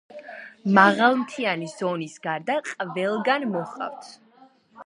მაღალმთიანი ზონის გარდა ყველგან მოჰყავთ.